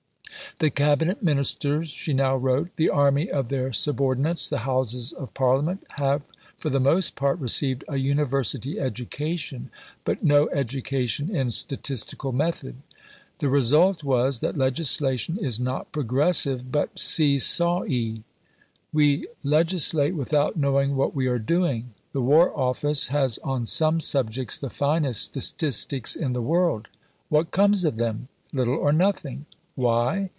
"The Cabinet Ministers," she now wrote, "the army of their subordinates, the Houses of Parliament have for the most part received a University education, but no education in statistical method." The result was that legislation is "not progressive, but see saw y." "We legislate without knowing what we are doing. The War Office has on some subjects the finest statistics in the world. What comes of them? Little or nothing. Why?